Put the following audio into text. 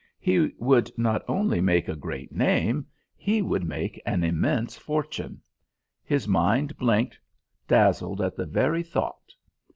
He would not only make a great name, he would make an immense fortune: his mind blinked, dazzled at the very thought.